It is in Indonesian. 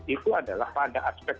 itu adalah pada aspek